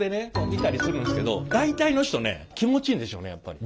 見たりするんですけど大体の人ね気持ちいいんでしょうねやっぱり。